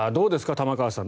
玉川さん